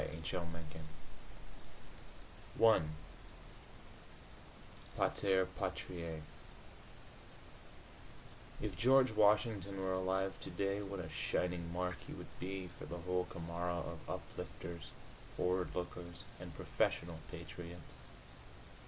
PATER PATRIÆ If George Washington were alive today, what a shining mark he would be for the whole camorra of uplifters, forward lookers and professional patriots!